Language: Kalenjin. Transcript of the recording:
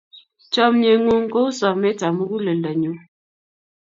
Chamyengung ko u someet ab muguleldonyu